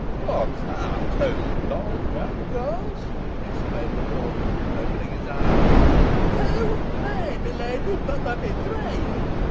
"Odd's heart! two Doll Wangos!" exclaimed the porter, opening his eyes. "Two! Nay, beleedy! boh there be three!"